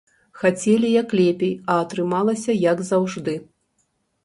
Хацелі, як лепей, а атрымалася, як заўжды.